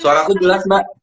suara aku jelas mbak